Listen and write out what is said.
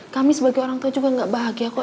kami sebagai orang tua juga gak bahagia kok